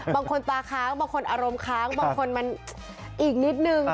บางคนตาค้างบางคนอารมณ์ค้างบางคนมันอีกนิดนึง